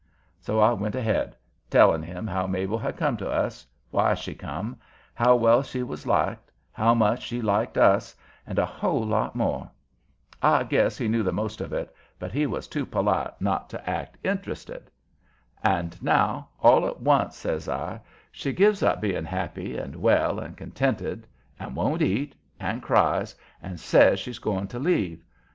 So I went ahead, telling him how Mabel had come to us, why she come, how well she was liked, how much she liked us, and a whole lot more. I guess he knew the most of it, but he was too polite not to act interested. "And now, all at once," says I, "she gives up being happy and well and contented, and won't eat, and cries, and says she's going to leave.